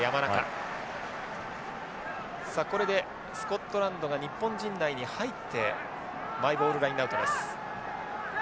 さあこれでスコットランドが日本陣内に入ってマイボールラインアウトです。